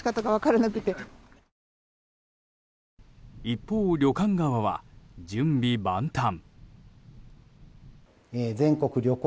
一方、旅館側は準備万端。